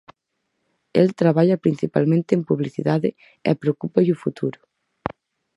El traballa principalmente en publicidade e preocúpalle o futuro.